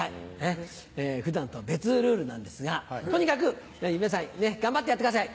普段とは別ルールなんですがとにかく皆さん頑張ってやってください